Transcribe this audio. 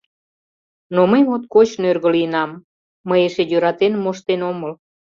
Но мый моткоч нӧргӧ лийынам, мый эше йӧратен моштен омыл.